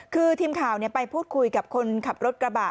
คือทีมข่าวไปพูดคุยกับคนขับรถกระบะ